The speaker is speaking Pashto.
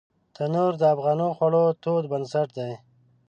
تنور د افغانو خوړو تود بنسټ دی